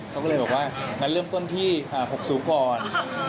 เขาก็เลยบอกว่าเริ่มต้นที่หกสูงก่อน